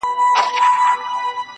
زه پوهېږم شیدې سپیني دي غوا توره-